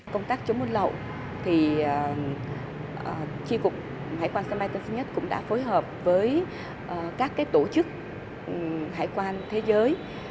công tác chống buôn lộ thì tri cục hải quan sân bay tân sơn nhất cũng đã phối hợp với các tổ chức hải quan thế giới